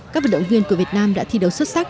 các vận động viên của việt nam đã thi đấu xuất sắc